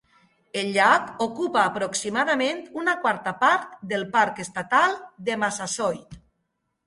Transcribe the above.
El llac ocupa aproximadament una quarta part del Parc Estatal de Massasoit.